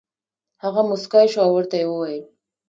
هغه موسکی شو او ورته یې وویل: